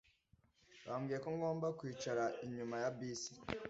Bambwiye ko ngomba kwicara inyuma ya bisi.